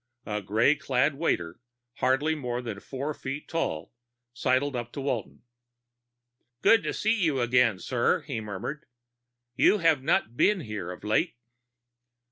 A gray clad waiter, hardly more than four feet tall, sidled up to Walton. "Good to see you again, sir," he murmured. "You have not been here of late."